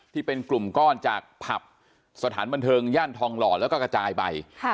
ที่เป็นกลุ่มก้อนจากผับสถานบันเทิงย่านทองหล่อแล้วก็กระจายไป